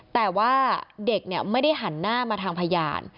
แต่ว่าเด็กไม่ได้หันหน้ามาทางพยาน